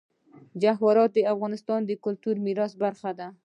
جواهرات د افغانستان د کلتوري میراث برخه ده.